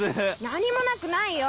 何もなくないよ